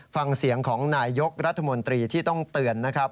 ฟังเสียงของนายยกรัฐมนตรีที่ต้องเตือนนะครับ